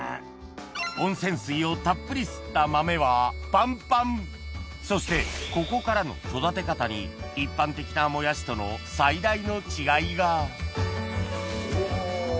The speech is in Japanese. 温泉水をたっぷり吸った豆はパンパンそしてここからの育て方に一般的なもやしとの最大の違いがお。